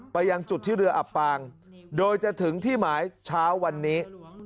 ไปยังจุดที่เรืออับปางโดยจะถึงที่หมายเช้าวันนี้